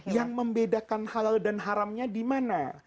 yang membedakan halal dan haramnya di mana